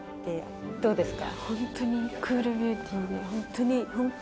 どうですか？